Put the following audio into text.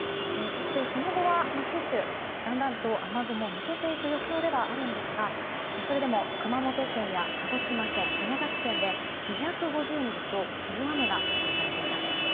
そして、その後は九州、だんだんと雨雲が抜けていく予想ではあるんですがそれでも熊本県や鹿児島県宮崎県で２５０ミリと大雨が予想されています。